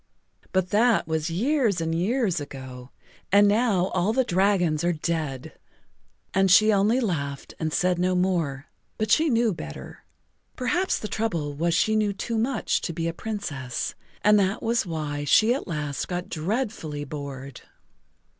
But that was years and years ago, and now all the dragons are dead." And she only laughed and said no more, but she knew better. Perhaps the trouble was she knew too much to be a Princess, and that was why she at last got dreadfully bored.